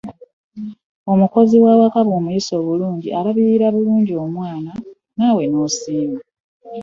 Omukozi ow'awaka bw'omuyisa obulungi alabirirra bulungi omwana mu maka naawe n'osiima.